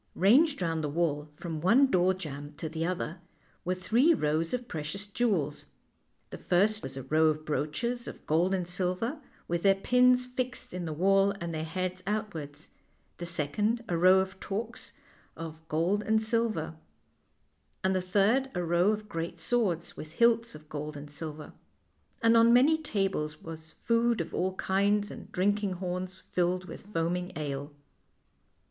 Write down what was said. Ranged round the wall, from one door jamb to the other, were three rows of precious jewels. The first was a row of brooches of gold and silver, with their pins fixed in the wall and their heads outwards ; the second a row of torques of gold and silver ; and the third a row of great swords, with hilts of gold and silver. And on many tables was food of all kinds, and drinking horns filled with foaming ale.